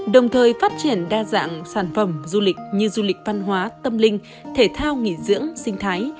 đồng thời phát triển đa dạng sản phẩm du lịch như du lịch văn hóa tâm linh thể thao nghỉ dưỡng sinh thái